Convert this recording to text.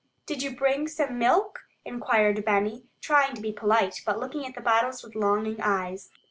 "Did you bring some milk?" inquired Benny, trying to be polite, but looking at the bottles with longing eyes.